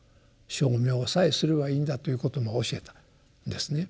称名さえすればいいんだということも教えたんですね。